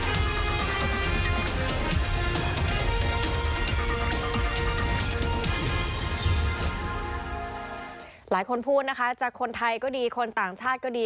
หลายคนพูดนะคะจะคนไทยก็ดีคนต่างชาติก็ดี